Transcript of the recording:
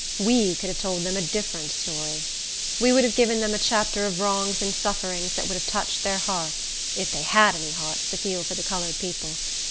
We could have told them a different story. We could have given them a chapter of wrongs and sufferings, that would have touched their hearts, if they had any hearts to feel for the colored people.